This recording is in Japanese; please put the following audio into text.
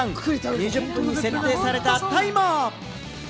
２０分に設定されたタイマー。